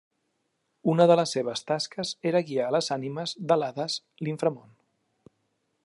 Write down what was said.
Una de les seves tasques era guiar les ànimes a l'Hades, l'inframón.